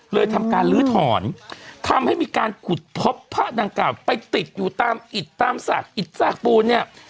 ทำการลื้อถอนทำให้มีการขุดพบพระดังกล่าวไปติดอยู่ตามอิดตามสากอิดซากปูนเนี่ย